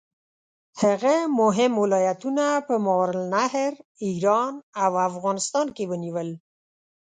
هغه مهم ولایتونه په ماوراالنهر، ایران او افغانستان کې ونیول.